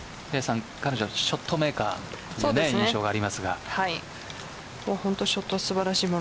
彼女はショットメーカーという印象がありますが。